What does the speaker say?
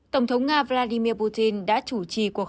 tổng thống nga vladimir putin đã chủ trì cuộc họp